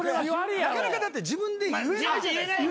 なかなかだって自分で言えないじゃないですか。